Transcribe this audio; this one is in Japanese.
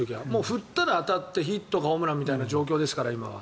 振ったら当たってヒットかホームランみたいな状況ですから今は。